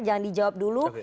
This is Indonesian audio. jangan dijawab dulu